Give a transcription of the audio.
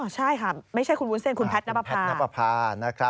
ใช่ค่ะไม่ใช่คุณวุ้นเซ่นคุณแพทนัพพา